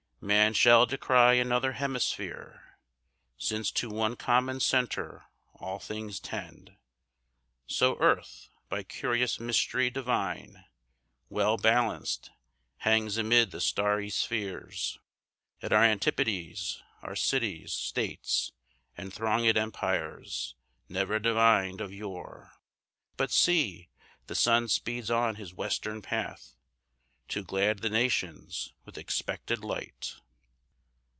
Man shall descry another hemisphere, Since to one common centre all things tend. So earth, by curious mystery divine Well balanced, hangs amid the starry spheres. At our antipodes are cities, states, And throngèd empires, ne'er divined of yore. But see, the sun speeds on his western path To glad the nations with expected light.